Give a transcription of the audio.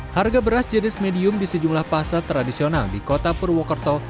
harga beras jenis medium di sejumlah pasar tradisional di kota purwokerto